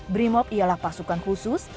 brimop ialah pasukan khusus